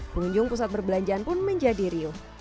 pengunjung pusat perbelanjaan pun menjadi riuh